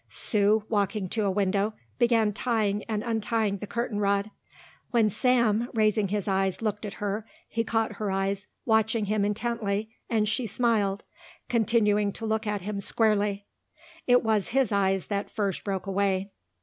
Sue, walking to a window, began tying and untying the curtain cord. When Sam, raising his eyes, looked at her, he caught her eyes watching him intently and she smiled, continuing to look at him squarely. It was his eyes that first broke away.